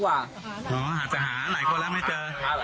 หาหลายคนแล้วไม่เจอ